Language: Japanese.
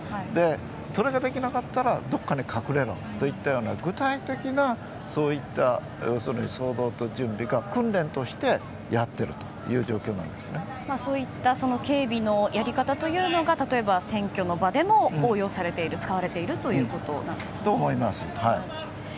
それができなかったらどこかに隠れろといったような具体的なそういった想像と準備を訓練としてやっているというそういった警備のやり方というのが例えば選挙の場でも応用されている使われていると思います。